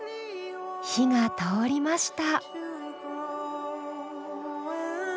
火が通りました。